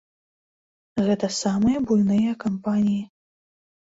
Гэта самыя буйныя кампаніі.